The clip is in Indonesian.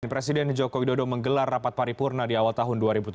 presiden joko widodo menggelar rapat paripurna di awal tahun dua ribu tujuh belas